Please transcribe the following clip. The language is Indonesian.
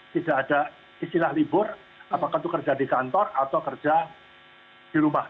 tidak ada istilah libur apakah itu kerja di kantor atau kerja di rumah